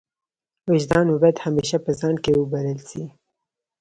وجدان مو باید همېشه په ځان کښي وبلل سي.